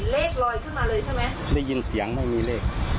ลอยขึ้นมาเลยใช่ไหมได้ยินเสียงไม่มีเลข